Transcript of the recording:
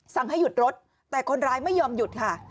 ให้หยุดรถแต่คนร้ายไม่ยอมหยุดค่ะ